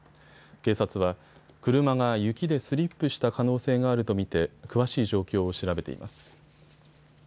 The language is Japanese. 警察は車が雪でスリップした可能性があると見て詳しい状況を調べています。